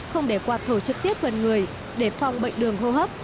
không để quạt thổ trực tiếp vào người để phòng bệnh đường hô hấp